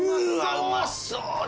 うまそうだ